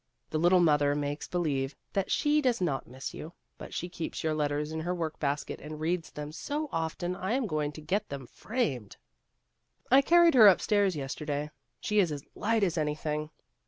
The little Mother makes believe that she does not miss you, but she keeps your let ters in her work basket, and reads them so often that I am going to get them framed. I carried her up stairs yesterday. She is as light as anything.